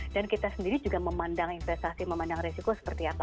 dan kita sendiri juga memandang investasi memandang resiko seperti apa